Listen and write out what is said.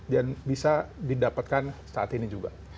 dan bisa didapatkan saat ini juga